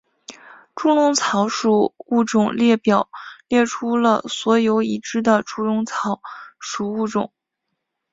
猪笼草属物种列表列出了所有已知的猪笼草属物种。